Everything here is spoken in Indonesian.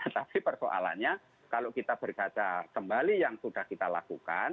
tapi persoalannya kalau kita berkata kembali yang sudah kita lakukan